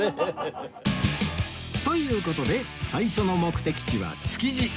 という事で最初の目的地は築地